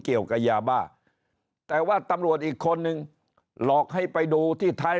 เกี่ยวกับยาบ้าแต่ว่าตำรวจอีกคนนึงหลอกให้ไปดูที่ท้าย